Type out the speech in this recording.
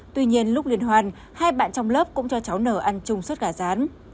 tuy nhiên lúc liên hoan hai bạn trong lớp cũng cho cháu nở ăn chung suốt gà rán